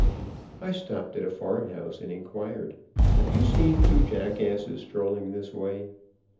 I stopped at a farm house and inquired: "Have you seen two jackasses strolling this way?"